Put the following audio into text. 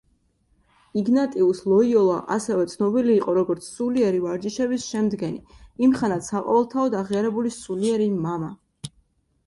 იგნატიუს ლოიოლა ასევე ცნობილი იყო როგორც სულიერი ვარჯიშების შემდგენი, იმხანად საყოველთაოდ აღიარებული სულიერი მამა.